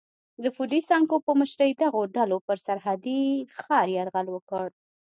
د فوډي سانکو په مشرۍ دغو ډلو پر سرحدي ښار یرغل وکړ.